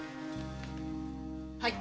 はい。